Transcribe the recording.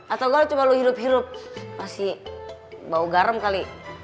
atau gue coba lo hirup hirup pasti bau garam kali